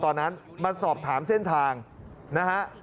ตอนนั้นมาสอบถามเส้นทางนะฮะ